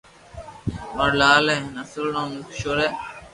مارو لال ھي ھين اصل نوم نند ڪيݾور ھي